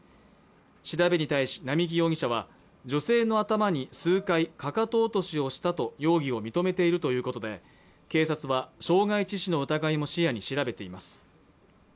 調べに対し並木容疑者は女性の頭に数回かかと落としをしたと容疑を認めているということで警察は傷害致死の疑いも視野に調べています